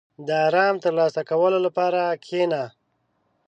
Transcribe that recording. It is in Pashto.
• د آرام ترلاسه کولو لپاره کښېنه.